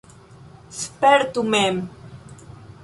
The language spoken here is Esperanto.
Spertu mem!